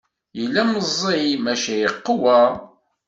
Yella meẓẓi maca iqewwa.